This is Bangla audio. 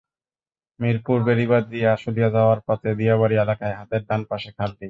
মিরপুর বেড়িবাঁধ দিয়ে আশুলিয়া যাওয়ার পথে দিয়াবাড়ী এলাকায় হাতের ডান পাশে খালটি।